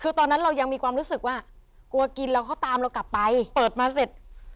คือตอนนั้นเรายังมีความรู้สึกว่ากลัวกินแล้วเขาตามเรากลับไปเปิดมาเสร็จ